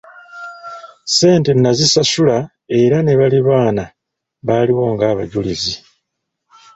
Ssente nazisasula era ne baliraanwa baaliwo ng’abajulizi.